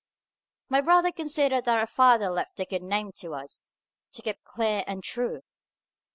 "My brother considered that our father left the good name to us, to keep clear and true."